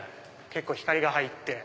結構光が入って。